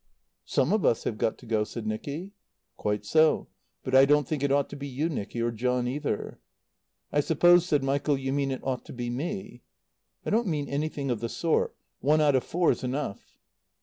"Some of us have got to go," said Nicky. "Quite so. But I don't think it ought to be you, Nicky; or John, either." "I suppose," said Michael, "you mean it ought to be me." "I don't mean anything of the sort. One out of four's enough."